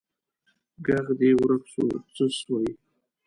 ږغ دي ورک سو څه سوي